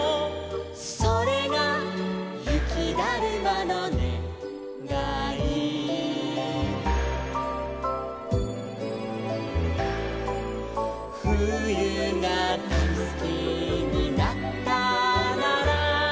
「それがゆきだるまのねがい」「ふゆがだいすきになったなら」